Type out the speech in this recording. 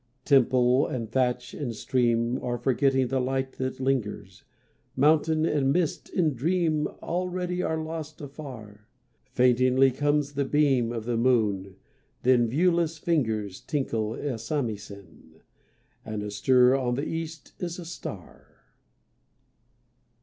Temple and thatch and stream Are forgetting the light that lingers, Mountain and mist in dream Already are lost, afar. Faintingly comes the beam Of the moon then viewless fingers Tinkle a samisen, And astir on the East is a star.